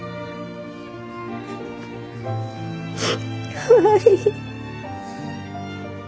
かわいい。